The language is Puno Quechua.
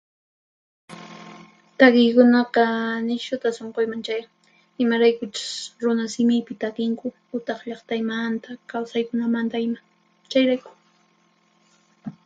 Takiykunaqa nishuta sunquman chayan, imaraykuchus runasimiypi takinku utaq llaqtaymanta, kawsaykunamanta ima, chayrayku.